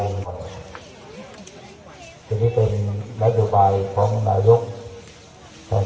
ในวันนี้เป็นหน้าจบันของนายศิษย์